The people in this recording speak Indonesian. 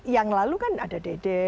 yang lalu kan ada dede